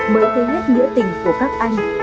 mới tư nhất nghĩa tình của các anh